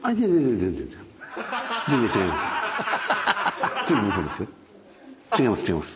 全然違います。